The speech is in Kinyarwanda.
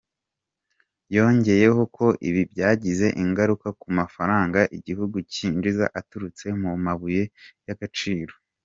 Yongeyeho ko ibi byagize ingaruka ku mafaranga igihugu cyinjiza aturutse mu mabuye y’agaciro.